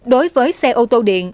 đối với xe ô tô điện